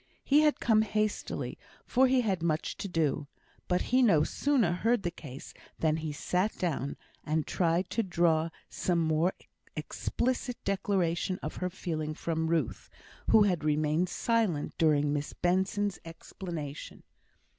He had come hastily, for he had much to do; but he no sooner heard the case than he sat down, and tried to draw some more explicit declaration of her feeling from Ruth, who had remained silent during Miss Benson's explanation.